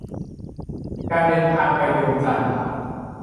การเดินทางไปดวงจันทร์